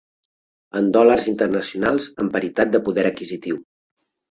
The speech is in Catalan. En dòlars internacionals en paritat de poder adquisitiu.